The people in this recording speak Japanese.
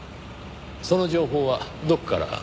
その情報はどこから？